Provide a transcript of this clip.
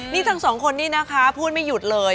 นี่ทั้งสองคนนี้นะคะพูดไม่หยุดเลย